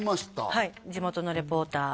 はい地元のリポーター